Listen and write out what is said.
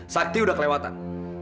sakti udah kelewatan